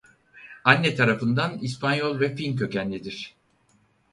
Anne tarafından İspanyol ve Fin kökenlidir.